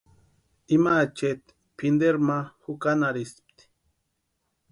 Ima acheeti pʼinteri ma jukanharhispti.